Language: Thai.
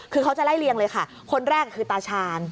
คือเขาจะไล่เรียงเลยค่ะคนแรกคือตาชาญ